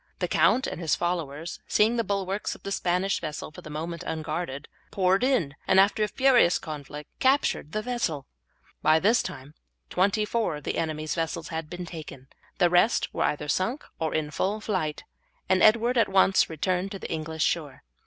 The count and his followers, seeing the bulwarks of the Spanish vessel for the moment unguarded, poured in, and after a furious conflict captured the vessel. By this time twenty four of the enemy's vessels had been taken, the rest were either sunk or in full flight, and Edward at once returned to the English shore.